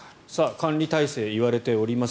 管理体制、言われています